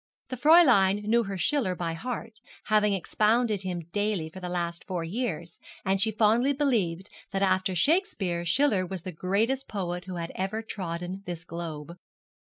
The Fräulein knew her Schiller by heart, having expounded him daily for the last four years, and she fondly believed that after Shakespeare Schiller was the greatest poet who had ever trodden this globe.